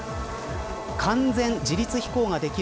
完全自律飛行ができる